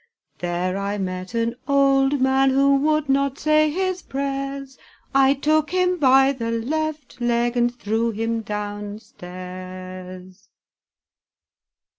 There I met an old man Who would not say his prayers; I took him by the left leg, And threw him downstairs.